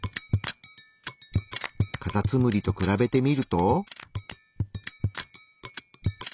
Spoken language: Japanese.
カタツムリと比べてみると。